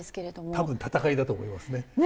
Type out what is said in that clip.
多分戦いだと思いますね。